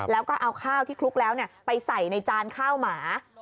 แล้วก็เอาข้าวที่คลุกแล้วไปใส่ในจานข้าวหมา